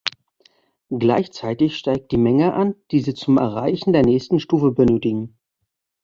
Gleichzeitig steigt die Menge an, die Sie zum Erreichen der nächsten Stufe benötigen.